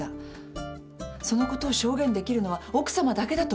そのことを証言できるのは奥さまだけだと思ってます。